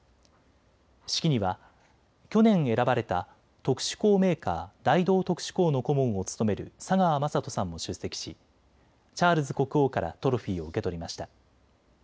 式には去年選ばれた特殊鋼メーカー、大同特殊鋼の顧問を務める佐川眞人さんも出席しチャールズ国王からトロフィーを受け取りました。